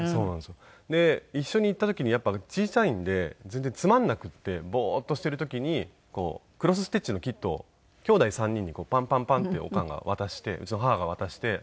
で一緒に行った時にやっぱり小さいんで全然つまんなくてぼーっとしている時にクロスステッチのキットを姉弟３人にパンパンパンっておかんが渡してうちの母が渡して。